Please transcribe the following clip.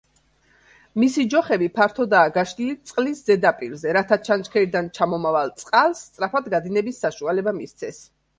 მისი ჯოხები ფართოდაა გაშლილი წლის ზედაპირზე რათა ჩანჩქერიდან ჩამომავალ წყალს სწრაფად გადინების საშუალება მისცეს.